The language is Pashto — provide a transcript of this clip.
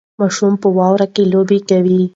ماشومان په واوره کې لوبې کوي.